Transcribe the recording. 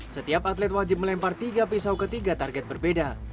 setiap atlet wajib melempar tiga pisau ketiga target berbeda